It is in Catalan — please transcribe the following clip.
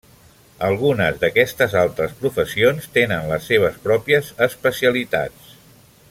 Algunes d'aquestes altres professions tenen les seves pròpies especialitats.